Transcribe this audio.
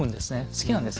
好きなんです。